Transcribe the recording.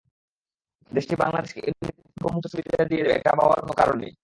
দেশটি বাংলাদেশকে এমনিতেই শুল্কমুক্ত সুবিধা দিয়ে দেবে, এটা ভাবার কোনো কারণ নেই।